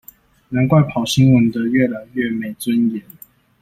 難怪跑新聞的越來越沒尊嚴